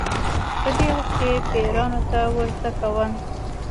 په دې وخت کې پیروانو ته ورزده کول